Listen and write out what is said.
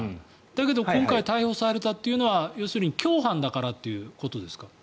だけど、今回逮捕されたというのは要するに共犯だからということですか。